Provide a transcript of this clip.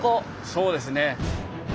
そうですね。